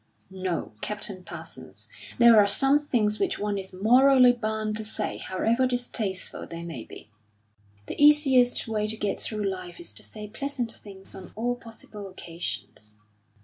"No, Captain Parsons. There are some things which one is morally bound to say, however distasteful they may be." "The easiest way to get through life is to say pleasant things on all possible occasions."